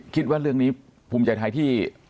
คิดว่าเรื่องนี้ภูมิใจไทยที่